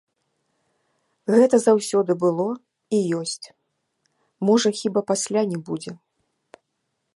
Гэта заўсёды было і ёсць, можа, хіба пасля не будзе.